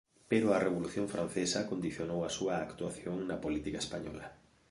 Pero a Revolución francesa condicionou a súa actuación na política española.